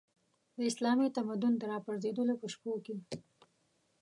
د اسلامي تمدن د راپرځېدلو په شپو کې.